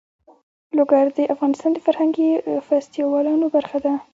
لوگر د افغانستان د فرهنګي فستیوالونو برخه ده.